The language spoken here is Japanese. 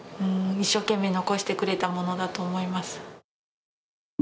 一生懸命残してくれたものだと思います。